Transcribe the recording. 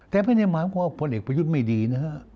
แต่ไม่ได้หมายความว่าพลเอกประยุทธ์ไม่ดีนะฮะ